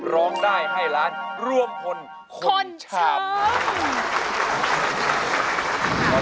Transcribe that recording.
ร้องได้ให้ล้านรวมพลคนฉาบ